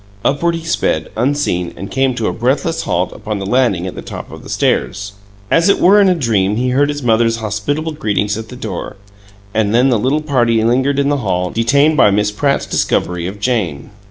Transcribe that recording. Upward he sped, unseen, and came to a breathless halt upon the landing at the top of the stairs. As it were in a dream he heard his mother's hospitable greetings at the door, and then the little party lingered in the hall, detained by Miss Pratt's discovery of Jane.